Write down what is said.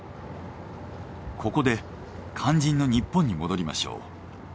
ここで肝心の日本に戻りましょう。